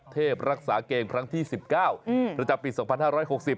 เทพรักษาเกณฑ์ครั้งที่๑๙ประจำปี๒๕๖๐